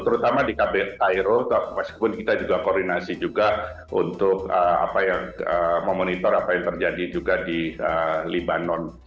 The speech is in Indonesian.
terutama di kb cairo meskipun kita juga koordinasi juga untuk memonitor apa yang terjadi juga di libanon